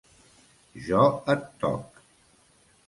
Jo et toc!